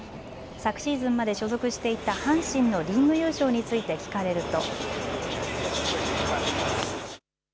昨シーズンまで所属していた阪神のリーグ優勝について聞かれると。